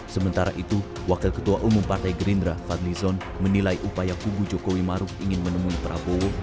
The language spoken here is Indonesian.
sementara itu wakil ketua umum partai gerindra fadli zon menilai upaya kubu jokowi maruf ingin menemui prabowo